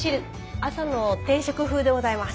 朝の定食風でございます。